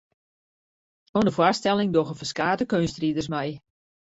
Oan de foarstelling dogge ferskate keunstriders mei.